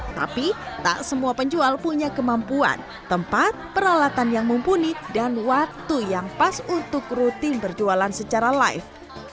tapi tak semua penjual punya kemampuan tempat peralatan yang mumpuni dan waktu yang pas untuk rutin berjualan secara live